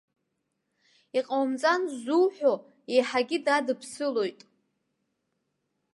Иҟоумҵан ззуҳәо иаҳагьы дадԥсылоит.